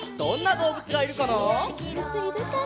どうぶついるかな？